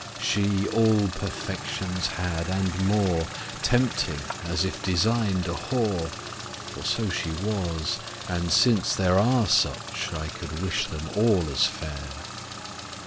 She all Perfections had, and more, Tempting, as if design'd a Whore , For so she was; and since there are Such, I could wish them all as fair.